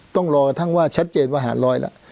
ต้องรอกระทั่งว่าชัดเจนว่าหารลอยล่ะ